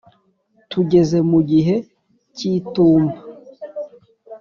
tugeze mugihe cyitumba